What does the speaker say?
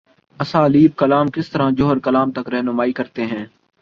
اسالیب کلام کس طرح جوہرکلام تک راہنمائی کرتے ہیں؟